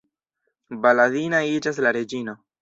Baladina iĝas la reĝino.